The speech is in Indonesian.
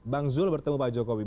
bang zul bertemu pak jokowi